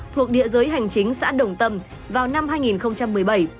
thuộc địa giới hành chính xã đồng tâm vào năm hai nghìn một mươi bảy